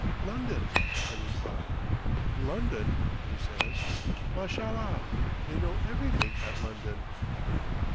"London," I reply. "London!" he says; "Mashallah! they know everything at London."